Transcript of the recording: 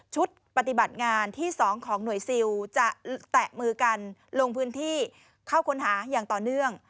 ชุดปฏิบัติงานที่๒ของหน่วยซิลจะแตะมือกันลงพื้นที่เข้าค้นหาอย่างต่อเนื่อง